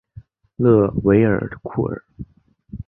勒韦尔库尔。